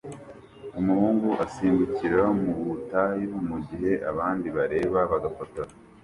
Umuhungu asimbukira mu butayu mugihe abandi bareba bagafotora